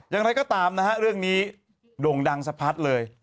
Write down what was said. อย่างไรก็ตามนะฮะเรื่องนี้โด่งดังสะพัดเลย